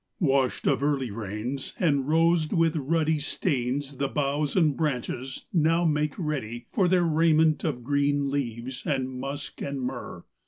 V Washed of the early rains, And rosed with ruddy stains, The boughs and branches now make ready for Their raiment green of leaves and musk and myrrh.